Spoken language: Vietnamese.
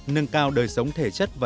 nâng cao đời sống thể chất và tính kỷ luật